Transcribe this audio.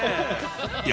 いや